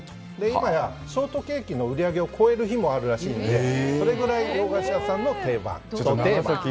今や、ショートケーキの売り上げを超える日もあるらしいのでそれぐらい洋菓子屋さんの定番。